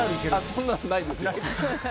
そんなのないです。